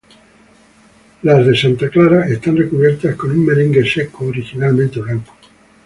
Las de "Santa Clara" están recubiertas con un merengue seco, originalmente blanco.